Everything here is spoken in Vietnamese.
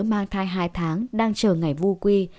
mang thai hai tháng đang chờ ngày vô quy